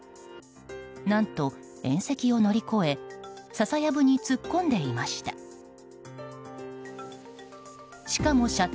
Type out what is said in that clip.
何と縁石を乗り越え笹やぶに突っ込んでいました。